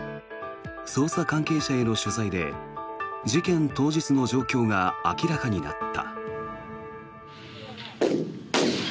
捜査関係者への取材で事件当日の状況が明らかになった。